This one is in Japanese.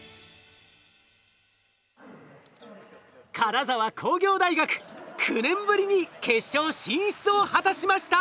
金沢工業大学９年ぶりに決勝進出を果たしました！